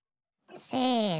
せの。